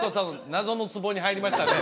謎のツボに入りましたね